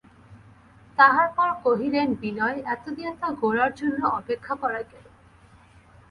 তাহার পরে কহিলেন, বিনয়, এতদিন তো গোরার জন্যে অপেক্ষা করা গেল।